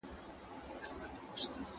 که انلاين وسايل سم کار وکړي درس نه درېږي.